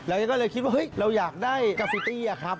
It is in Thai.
เราก็เลยคิดว่าเราอยากได้กาฟิตตี้ครับ